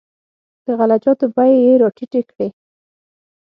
د غله جاتو بیې یې راټیټې کړې.